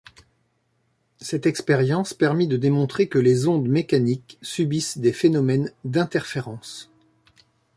Cette expérience permit de démontrer que les ondes mécaniques subissent des phénomènes d'interférences.